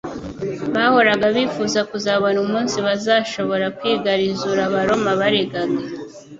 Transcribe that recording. bahoraga bifuza kuzabona umunsi bazashobora kwigarizura abaroma barigaga